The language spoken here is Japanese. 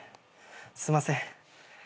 すんません。